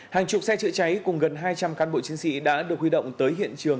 hàng chục xe chữa cháy cùng gần hai trăm linh cán bộ chiến sĩ đã được huy động tới hiện trường